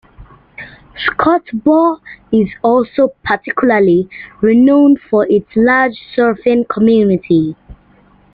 Scottburgh is also particularly renowned for its large surfing community.